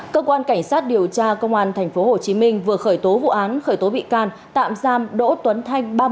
cơ quan cảnh sát điều tra công an tp hcm vừa khởi tố vụ án khởi tố bị can tạm giam đỗ tuấn thanh